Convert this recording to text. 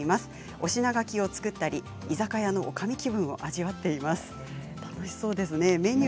お品書きを作ったり居酒屋のおかみ気分を味わっています。